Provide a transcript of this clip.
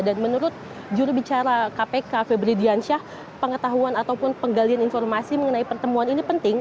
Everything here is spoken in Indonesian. dan menurut jurubicara kpk febri diansyah pengetahuan ataupun penggalian informasi mengenai pertemuan ini penting